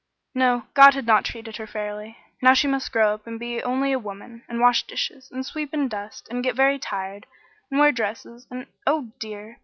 No, God had not treated her fairly. Now she must grow up and be only a woman, and wash dishes, and sweep and dust, and get very tired, and wear dresses and oh, dear!